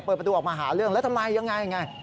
เปิดประตูออกมาหาเรื่องแล้วทำไมอย่างไรอย่างไร